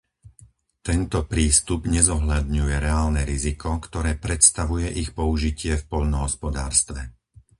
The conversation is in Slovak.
Tento prístup nezohľadňuje reálne riziko, ktoré predstavuje ich použitie v poľnohospodárstve.